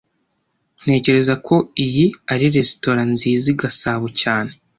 Ntekereza ko iyi ari resitora nziza i Gasabo cyane